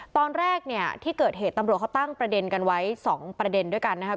ตอนแรกเนี่ยที่เกิดเหตุตำรวจเขาตั้งประเด็นกันไว้๒ประเด็นด้วยกันนะครับ